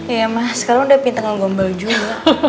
ya mas kalau udah pinter sama gombal juga